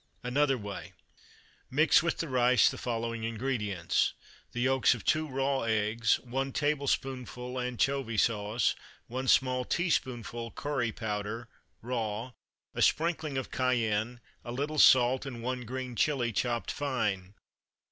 "Another way:" Mix with the rice the following ingredients: The yolks of two raw eggs, one tablespoonful anchovy sauce, one small teaspoonful curry powder (raw), a sprinkling of cayenne, a little salt, and one green chili chopped fine.